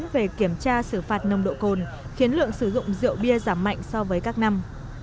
về kiểm tra xử phạt nồng độ cồn khiến lượng sử dụng rượu bia giảm mạnh so với các năm